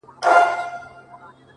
دا رومانتيك احساس دي خوږ دی گراني ـ